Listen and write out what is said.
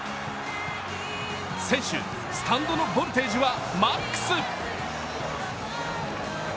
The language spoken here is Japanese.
選手、スタンドのボルテージはマックス。